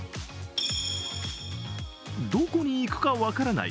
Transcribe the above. どこに行くか分からない